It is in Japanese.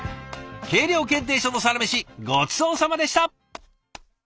計量検定所のサラメシごちそうさまでした！